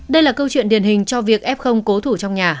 đây là câu chuyện điển hình cho việc f cố thủ trong nhà